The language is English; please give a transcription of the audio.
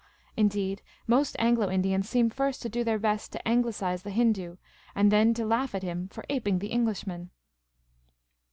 Indeed, most Anglo Indians seem first to do their best to Anglicise the Hindoo, and then to laugh at him for aping the Englishman.